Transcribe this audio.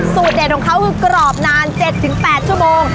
เด็ดของเขาคือกรอบนาน๗๘ชั่วโมง